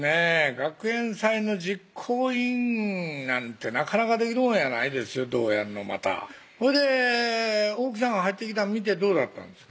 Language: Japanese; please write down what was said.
学園祭の実行委員なんてなかなかできるもんやないですよほいで奥さんが入ってきたん見てどうだったんですか？